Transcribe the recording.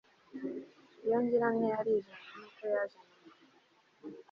iyo ngira ntya yari ijambo ni uko yaje nyuma